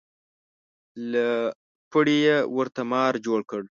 له پړي یې ورته مار جوړ کړ.